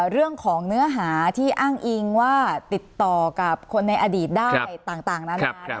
เรื่องของเนื้อหาที่อ้างอิงว่าติดต่อกับคนในอดีตได้ต่างนาน